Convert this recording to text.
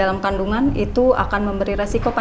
beberapa hari yang lalu pernah data beberapa hari yang lalu saya